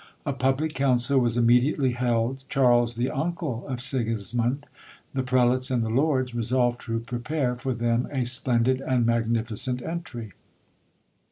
A public council was immediately held. Charles, the uncle of Sigismond, the prelates, and the lords, resolved to prepare for them a splendid and magnificent entry.